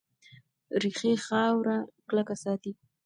ریښې خاوره کلکه ساتي.